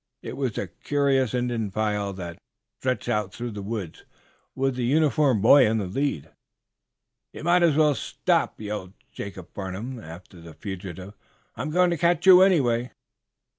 It was a curious Indian file that stretched out through the woods with the uniformed boy in the lead. "You may as well stop!" yelled Jacob Farnum, after the fugitive. "I'm going to catch you, anyway!"